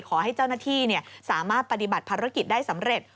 ขอให้เจ้าหน้าที่สามารถปฏิบัติภารกิจได้สำเร็จ